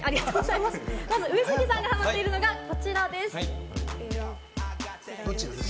まず上杉さんがハマっているのは、こちらです。